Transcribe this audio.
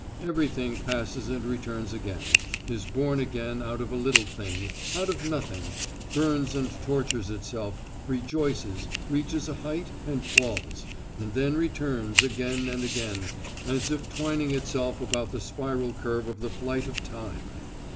Everything passes and returns again, is born again out of a little thing, out of nothing, burns and tortures itself, rejoices, reaches a height and falls, and then returns again and again, as if twining itself about the spiral curve of the flight of time.